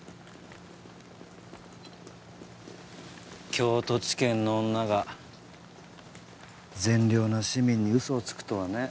京都地検の女が善良な市民に嘘をつくとはね。